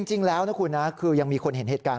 จริงแล้วนะคุณนะคือยังมีคนเห็นเหตุการณ์